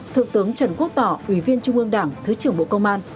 thượng tướng trần quốc tỏ ủy viên trung ương đảng thứ trưởng bộ công an